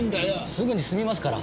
すぐに済みますから。